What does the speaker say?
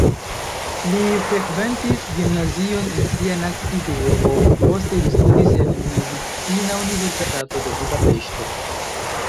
Li frekventis gimnazion en sia naskiĝurbo, poste li studis en Medicina Universitato de Budapeŝto.